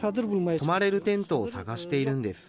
泊まれるテントを探しているんです。